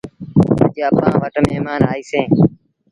اڄ اَپآن وٽ مهمآݩ آئيٚسي۔